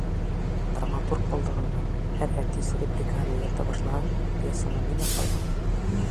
Драматург булдығыҙмы, һәр артист репликаһын үҙгәртә башлаһа, пьесанан нимә ҡала?